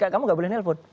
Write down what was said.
kamu gak boleh nelpon